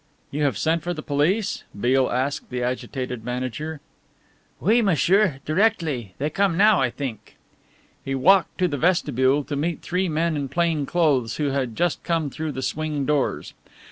"You have sent for the police?" Beale asked the agitated manager. "Oui, m'sieur directly. They come now, I think." He walked to the vestibule to meet three men in plain clothes who had just come through the swing doors.